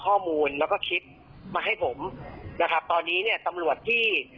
คนที่เขารับรัฐการณ์อยู่ในพื้นที่